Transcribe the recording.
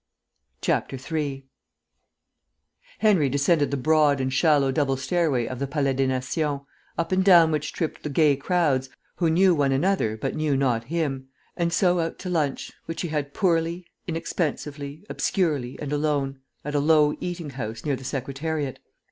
3 Henry descended the broad and shallow double stairway of the Palais des Nations, up and down which tripped the gay crowds who knew one another but knew not him, and so out to lunch, which he had poorly, inexpensively, obscurely and alone, at a low eating house near the Secretariat.